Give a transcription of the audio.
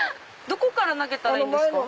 どこから投げたらいいんですか？